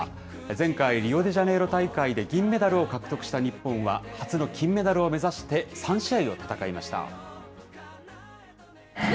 前回、リオデジャネイロ大会で銀メダルを獲得した日本は、初の金メダルを目指して、３試合を戦いました。